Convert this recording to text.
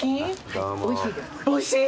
おいしい？